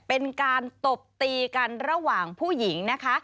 เป็นการตบตีกันระหว่างผู้หญิงนะคะ